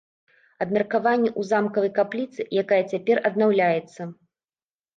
Абмеркаванне ў замкавай капліцы, якая цяпер аднаўляецца.